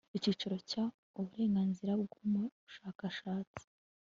Icyiciro cya Uburenganzira bw umushakashatsi